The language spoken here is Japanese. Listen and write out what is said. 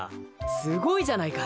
すごいじゃないか。